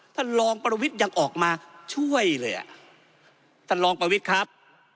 ท่านรองประวิทย์ยังออกมาช่วยเลยอ่ะท่านรองประวิทย์ครับ